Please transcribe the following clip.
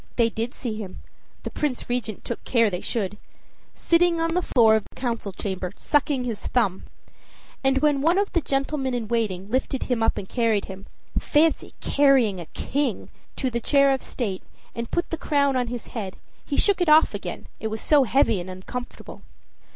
They did see him, the Prince Regent took care they should, sitting on the floor of the council chamber, sucking his thumb! And when one of the gentlemen in waiting lifted him up and carried him fancy carrying a king! to the chair of state, and put the crown on his head, he shook it off again, it was so heavy and uncomfortable.